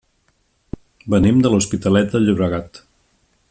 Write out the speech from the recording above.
Venim de l'Hospitalet de Llobregat.